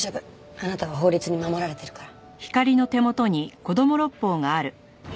あなたは法律に守られてるから。